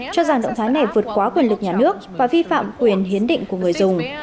cho rằng động thái này vượt quá quyền lực nhà nước và vi phạm quyền hiến định của người dùng